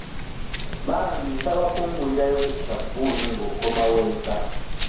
Bambi nsaba kungulirayo ku sabbuuni nga okomawo eka.